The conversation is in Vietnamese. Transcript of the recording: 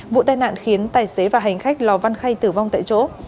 vụ tai nạn khiến tài xế và hành khách lò văn khay tử vong tại chỗ